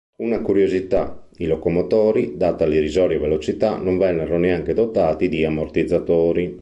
Una curiosità: i locomotori, data l'irrisoria velocità, non vennero neanche dotati di ammortizzatori.